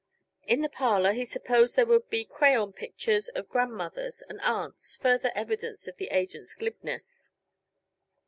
In the parlor, he supposed there would be crayon pictures of grandmothers and aunts further evidence of the agent's glibness.